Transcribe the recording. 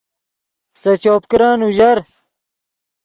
سے چوپ کرن اوژر